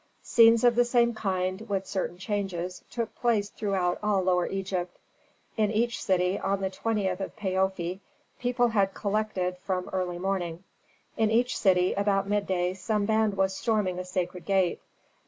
Scenes of the same kind with certain changes took place throughout all Lower Egypt. In each city on the 20th of Paofi people had collected from early morning. In each city about midday some band was storming a sacred gate.